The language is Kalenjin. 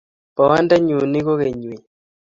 Bondenyu nee kokeny wee?